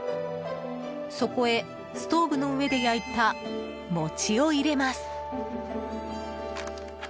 そこへ、ストーブの上で焼いた餅を入れます。